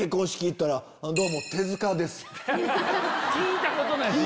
聞いたことない今まで